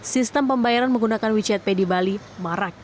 sistem pembayaran menggunakan wechat pay di bali marak